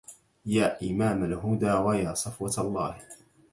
يا إمام الهدى ويا صفوة الله